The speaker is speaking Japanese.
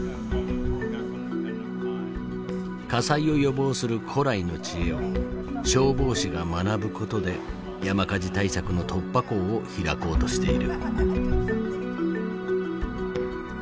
火災を予防する古来の知恵を消防士が学ぶことで山火事対策の突破口を開こうとしている。